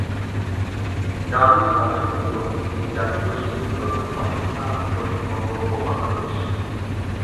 দ্রাবিড়-বংশোদ্ভুত এই জাতিগোষ্ঠীর প্রধান বাসস্থান পশ্চিমবঙ্গ ও বাংলাদেশ।